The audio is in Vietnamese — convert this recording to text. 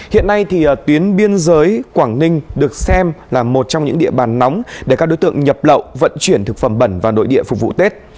hiện nay tuyến biên giới quảng ninh được xem là một trong những địa bàn nóng để các đối tượng nhập lậu vận chuyển thực phẩm bẩn vào nội địa phục vụ tết